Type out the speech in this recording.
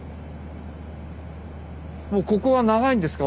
もうここは長いんですか？